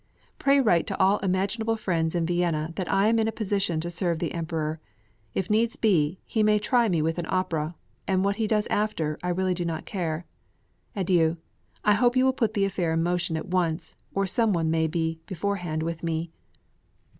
Pray write to all imaginable friends in Vienna that I am in a position to serve the Emperor. If needs be, he may try me with an opera, and what he does after, I really do not care. Adieu. I hope you will put the affair in motion at once, or some one may be beforehand with me.